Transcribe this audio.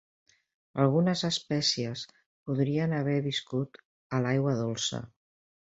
Algunes espècies podrien haver viscut a l'aigua dolça.